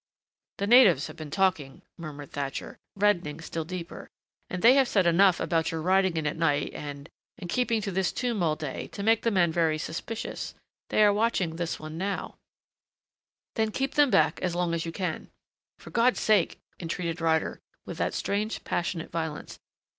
"The natives have been talking," murmured Thatcher, reddening still deeper, "and they have said enough about your riding in at night and and keeping to this tomb all day to make the men very suspicious. They are watching this one now " "Then keep them back long as you can. For God's sake," entreated Ryder with that strange passionate violence.